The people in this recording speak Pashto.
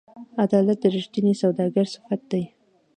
عدالت د رښتیني سوداګر صفت دی.